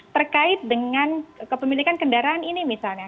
terkait dengan kepemilikan kendaraan ini misalnya